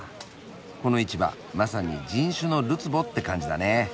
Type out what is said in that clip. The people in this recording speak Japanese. この市場まさに人種のるつぼって感じだね。